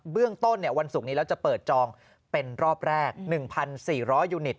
เรื่องต้นวันศุกร์นี้แล้วจะเปิดจองเป็นรอบแรก๑๔๐๐ยูนิต